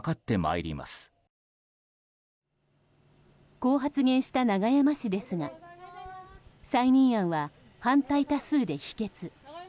こう発言した永山氏ですが再任案は反対多数で否決。